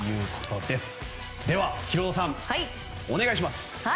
では、ヒロドさんお願いします。